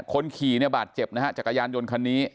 คนขี่เนี่ยบาดเจ็บนะฮะจักรยานยนต์คันนี้